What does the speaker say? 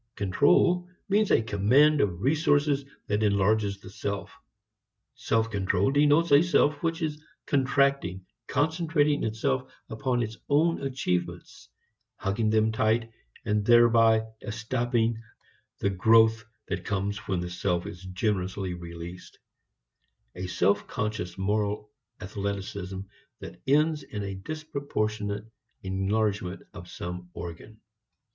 Control means a command of resources that enlarges the self; self control denotes a self which is contracting, concentrating itself upon its own achievements, hugging them tight, and thereby estopping the growth that comes when the self is generously released; a self conscious moral athleticism that ends in a disproportionate enlargement of some organ.